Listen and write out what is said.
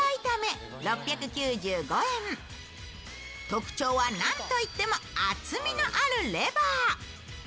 特徴はなんといっても厚みのあるレバー。